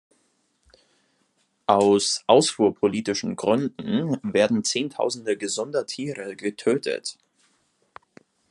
Aus ausfuhrpolitischen Gründen werden Zehntausende gesunder Tiere getötet.